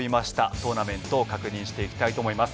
トーナメントを確認していきたいと思います。